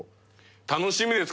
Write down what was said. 楽しみです